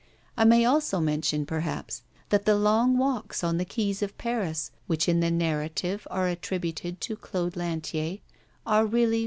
I may also mention, perhaps, that the long walks on the quays of Paris which in the narrative are attributed to Claude Lantier are really M.